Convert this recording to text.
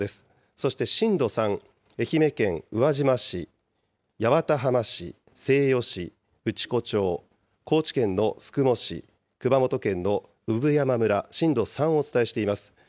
そして震度３、愛媛県宇和島市、八幡浜市、西予市、内子町、高知県の宿毛市、熊本県の産山村、震度３をお伝えしています。